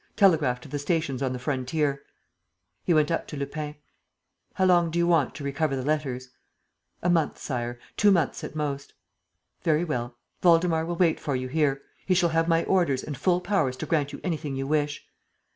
. telegraph to the stations on the frontier. ..." He went up to Lupin: "How long do you want to recover the letters?" "A month, Sire ... two months at most." "Very well. Waldemar will wait for you here. He shall have my orders and full powers to grant you anything you wish."